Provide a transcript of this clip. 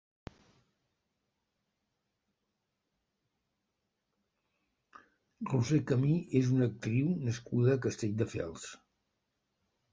Roser Camí és una actriu nascuda a Castelldefels.